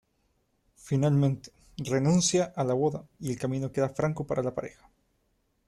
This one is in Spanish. Finalmente, renuncia a la boda y el camino queda franco para la pareja.